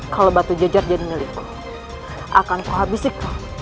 kalau batu jajar jadi milikku akan kuhabisikku